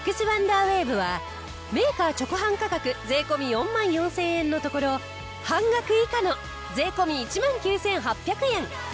ワンダーウェーブはメーカー直販価格税込４万４０００円のところ半額以下の税込１万９８００円。